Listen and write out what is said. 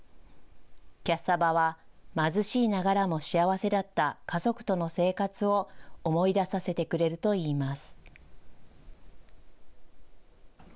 キャッサバは、貧しいながらも幸せだった家族との生活を思い出させてくれるといいます。